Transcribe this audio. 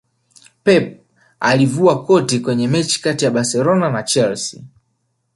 pep alivua koti Kwenye mechi kati ya barcelona na chelsea